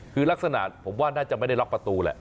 คือลักษณะผมว่าน่าจะไม่ได้ล็อกประตูแหละ